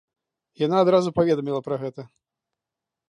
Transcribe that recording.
Яна адразу паведаміла пра гэта.